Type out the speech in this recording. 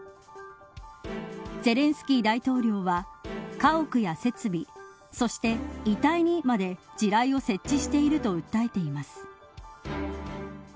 ゼレンスキー大統領は家屋や設備そして遺体にまで地雷を設置していると訴えています。